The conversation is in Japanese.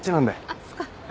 あっそっか。